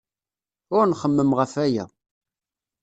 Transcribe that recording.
Ur nxemmem ɣef waya.